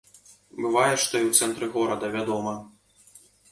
Бывае, што і ў цэнтры горада, вядома.